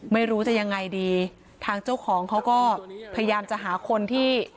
ไม่รู้จะยังไงดีทางเจ้าของเขาก็พยายามจะหาคนที่